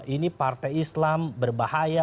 ini partai islam berbahaya